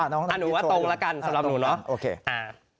หนูว่าตรงแล้วกันสำหรับหนูเนาะ